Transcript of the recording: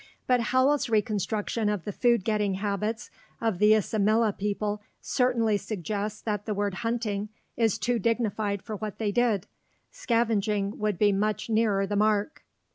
But Howell's reconstruction of the food getting habits of the Isimila people certainly suggests that the word "hunting" is too dignified for what they did; "scavenging" would be much nearer the mark.